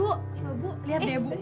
lihat deh bu